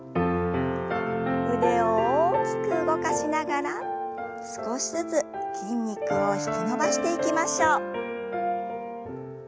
腕を大きく動かしながら少しずつ筋肉を引き伸ばしていきましょう。